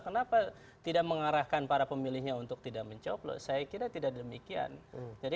kenapa tidak mengarahkan para pemilihnya untuk tidak mencoblos saya kira tidak demikian jadi